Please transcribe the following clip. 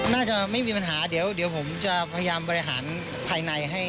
ไม่มีปัญหาเดี๋ยวผมจะพยายามบริหารภายในให้